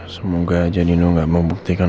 semoga aja dino gak membuktikan